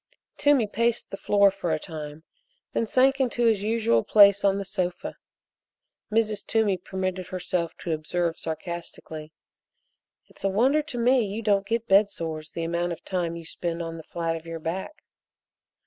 Toomey paced the floor for a time, then sank into his usual place on the sofa. Mrs. Toomey permitted herself to observe sarcastically: "It's a wonder to me you don't get bed sores the amount of time you spend on the flat of your back."